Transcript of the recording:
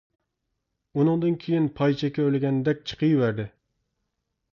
ئۇنىڭدىن كىيىن پاي چىكى ئۆرلىگەندەك چىقىۋەردى.